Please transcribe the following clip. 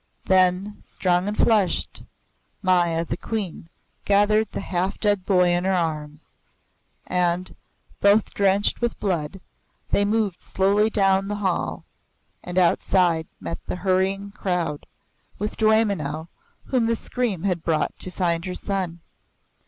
Then, strong and flushed, Maya the Queen gathered the half dead boy in her arms, and, both drenched with blood, they moved slowly down the hall and outside met the hurrying crowd, with Dwaymenau, whom the scream had brought to find her son.